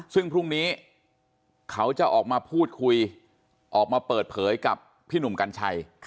ซึ่งพรุ่งนี้เขาจะออกมาพูดคุยออกมาเปิดเผยกับพี่หนุ่มกัญชัย